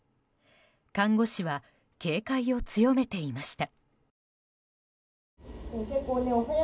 看護師は警戒を強めていました。